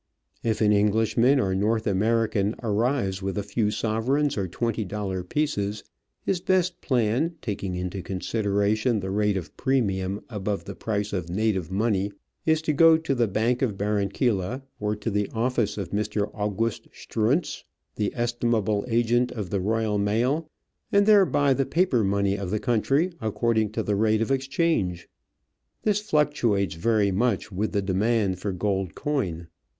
If an Englishman or North American arrives with a few sovereigns or twenty dollar pieces, his best plan, taking into consideration the rate of premium above the price Digitized by V:iOOQIC 46 Travels and Adventures of native money, is to go to the Bank of Barranquilla, or to the office of Mr. August Struntz, the estimable agent of the Royal Mail, and there buy the paper money of the country according to the rate of ex change. This fluctuates very much with the demand for gold coin.